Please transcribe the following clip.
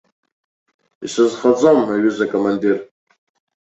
Исызхаҵом, аҩыза акомандир!